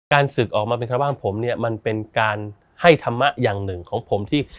ศึกออกมาเป็นชาวบ้านผมเนี่ยมันเป็นการให้ธรรมะอย่างหนึ่งของผมที่